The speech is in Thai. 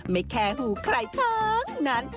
ไม่แค่หูใครทั้งนั้น